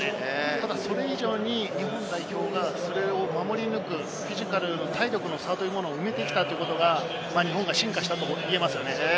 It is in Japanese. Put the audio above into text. ただそれ以上に日本代表が、それを守り抜くフィジカルの体力の差というのを埋めてきたというのが、日本が進化したと言えますね。